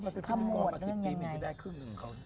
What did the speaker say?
ประสิทธิปีนี้จะได้ครึ่งหนึ่งคน